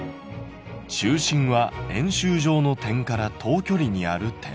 「中心は円周上の点から等距離にある点」。